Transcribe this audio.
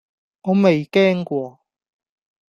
我未驚過!